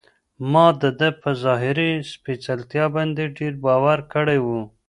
ما د ده په ظاهري سپېڅلتیا باندې ډېر باور کړی و.